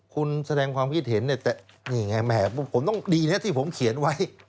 คุณแสดงความคิดเห็นนี่ไงดีนะที่ผมเขียนไว้